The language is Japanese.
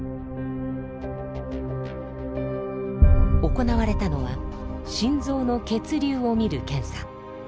行われたのは心臓の血流を見る検査。